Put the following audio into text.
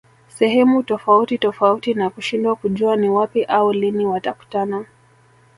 sehemu tofauti tofauti na kushindwa kujua ni wapi au lini watakutana